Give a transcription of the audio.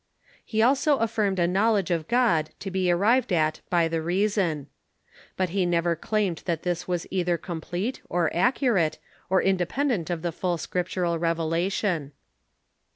He also affirmed a knowl edge of God to be arrived at by the reason. But he never claimed that this was either complete, or accurate, or inde pendent of the full scriptural revelation.